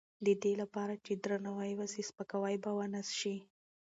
د دې لپاره چې درناوی وشي، سپکاوی به ونه شي.